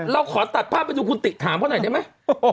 เราขอตัดภาพไปดูคุณติถามเขาหน่อยได้ไหม